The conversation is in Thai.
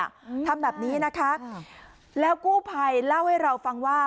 อืมทำแบบนี้นะคะอืมแล้วกู้ภัยเล่าให้เราฟังว่า